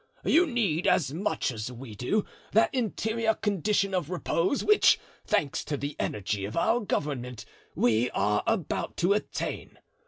You need, as much as we do, that interior condition of repose which, thanks to the energy of our government, we are about to attain.